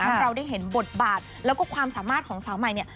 เราได้เห็นบทบาทแล้วก็ความสามารถของสาวใหม่เนี่ย